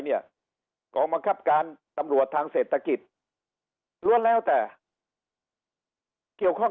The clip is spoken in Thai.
เนี่ยกองบังคับการตำรวจทางเศรษฐกิจล้วนแล้วแต่เกี่ยวข้อง